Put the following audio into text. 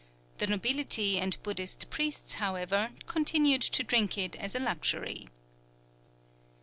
The nobility, and Buddhist priests, however, continued to drink it as a luxury.